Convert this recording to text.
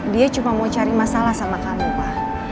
dia cuma mau cari masalah sama kamu pak